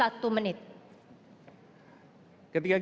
ketika kita mengatakan paslon tiga paslon dua